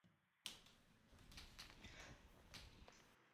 শার্লেমেনের একটি বেসকে রাজকীয় আদালতও বলা হতো।